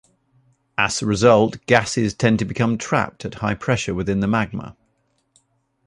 As a result, gases tend to become trapped at high pressure within the magma.